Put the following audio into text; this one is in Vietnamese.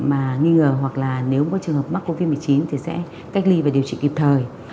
mà nghi ngờ hoặc là nếu có trường hợp mắc covid một mươi chín thì sẽ cách ly và điều trị kịp thời